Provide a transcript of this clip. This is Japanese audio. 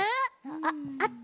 あっあった。